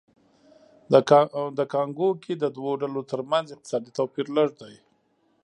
د کانګو کې د دوو ډلو ترمنځ اقتصادي توپیر لږ دی